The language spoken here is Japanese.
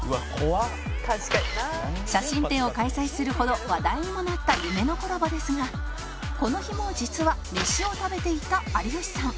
写真展を開催するほど話題にもなった夢のコラボですがこの日も実はメシを食べていた有吉さん